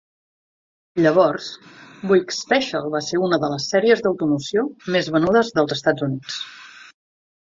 Llavors, Buick Special va ser una de les sèries d'automoció més venudes dels Estats Units.